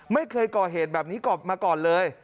ไม่เคยก่อเหตุแบบนี้มาก่อนเลย